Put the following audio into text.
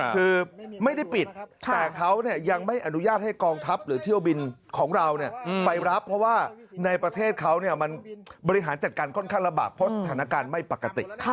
คือไม่ได้ปิดแต่เขายังไม่อนุญาตให้กองทัพหรือเที่ยวบินของเราไปรับเพราะว่าในประเทศเขามันบริหารจัดการค่อนข้างลำบากเพราะสถานการณ์ไม่ปกติ